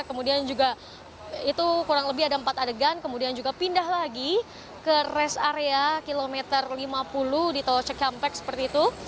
kemudian juga itu kurang lebih ada empat adegan kemudian juga pindah lagi ke rest area kilometer lima puluh di tol cikampek seperti itu